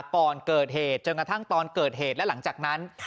ก่อนเกิดเหตุจนกระทั่งตอนเกิดเหตุและหลังจากนั้น